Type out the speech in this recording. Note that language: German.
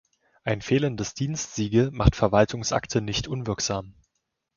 Ein fehlendes Dienstsiegel macht Verwaltungsakte nicht unwirksam.